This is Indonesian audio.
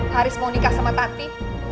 haris mau nikah sama tanti